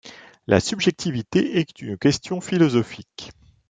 La subjectivité est une question philosophique.